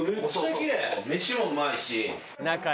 飯もうまいし。